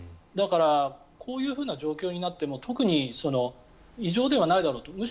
だから、こういう状況になっても特に異常ではないだろうと。